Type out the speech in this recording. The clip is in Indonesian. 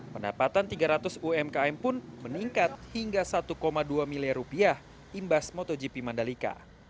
pendapatan tiga ratus umkm pun meningkat hingga satu dua miliar rupiah imbas motogp mandalika